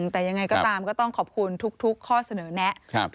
แต่ยังไงก็ตามก็ต้องขอบคุณทุกข้อเสนอแนะ